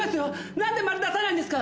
何でマル出さないんですか？